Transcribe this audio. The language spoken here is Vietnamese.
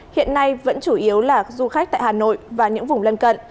hiện nay vẫn chủ yếu là du khách tại hà nội và những vùng lân cận